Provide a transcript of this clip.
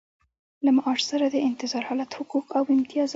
له معاش سره د انتظار حالت حقوق او امتیازات.